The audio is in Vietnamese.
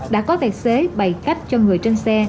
đã có đại xế bày cách cho người trên xe